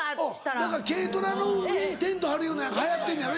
あっ何か軽トラの上にテント張るような流行ってんのやろ？